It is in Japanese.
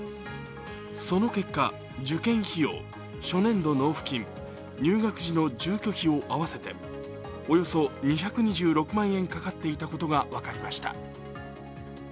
その結果、受験費用、初年度納付金、入学時の住居費の合わせておよそ２２６万円かかっていたことが分かりました。